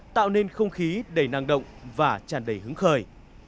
tạo nên không khí đầy năng động và tràn đầy hứng khởi